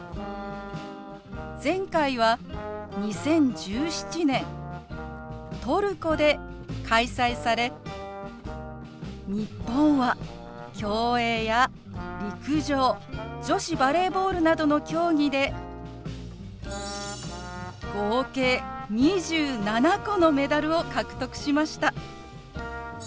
前回は２０１７年トルコで開催され日本は競泳や陸上女子バレーボールなどの競技で合計２７個のメダルを獲得しました。